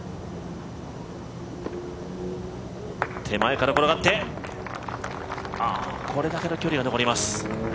手前から転がって、これだけの距離が残ります。